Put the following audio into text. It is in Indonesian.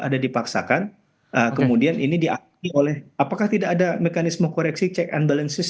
ada dipaksakan kemudian ini diakui oleh apakah tidak ada mekanisme koreksi check and balances